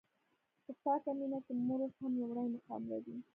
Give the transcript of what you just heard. په پاکه مینه کې مور اوس هم لومړی مقام لري.